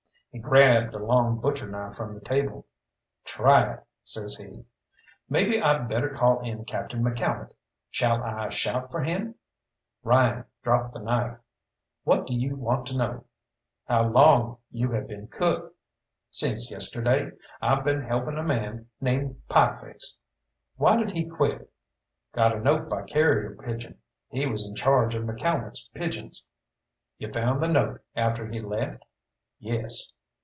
He grabbed a long butcher knife from the table. "Try it," says he. "Maybe I'd better call in Captain McCalmont. Shall I shout for him?" Ryan dropped the knife. "What do you want to know?" "How long you have been cook?" "Since yesterday. I've been helping a man named Pieface." "Why did he quit?" "Got a note by carrier pigeon. He was in charge of McCalmont's pigeons." "You found the note after he left?" "Yes."